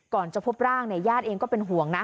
จะพบร่างเนี่ยญาติเองก็เป็นห่วงนะ